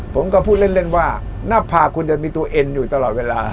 ผมก็พูดเล่นว่าหน้าผากคุณจะมีตัวเอ็นอยู่ตลอดเวลา